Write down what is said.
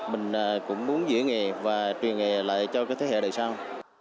mình cũng muốn giữ nghề và truyền nghề lại cho các thế hệ đời sau